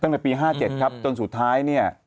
ตั้งแต่ปี๕๗ครับจนสุดท้ายเนี่ย